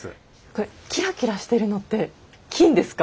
これキラキラしてるのって金ですか？